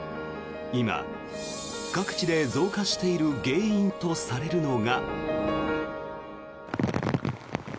今、各地で増加している原因とされるのが。